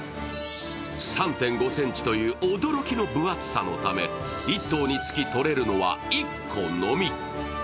３．５ｃｍという驚きの分厚さのため一頭につきとれるのは１個のみ。